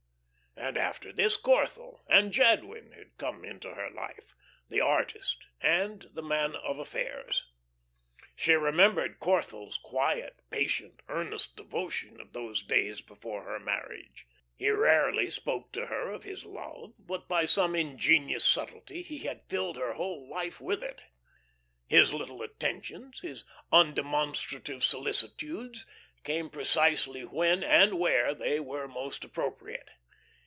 And after this Corthell and Jadwin had come into her life, the artist and the man of affairs. She remembered Corthell's quiet, patient, earnest devotion of those days before her marriage. He rarely spoke to her of his love, but by some ingenious subtlety he had filled her whole life with it. His little attentions, his undemonstrative solicitudes came precisely when and where they were most appropriate.